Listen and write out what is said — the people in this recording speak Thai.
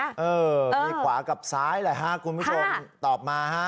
เออมีขวากับซ้ายแหละฮะคุณผู้ชมตอบมาฮะ